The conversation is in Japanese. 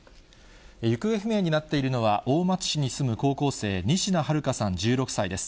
行方不明になっているのは、大町市に住む高校生、仁科日花さん１６歳です。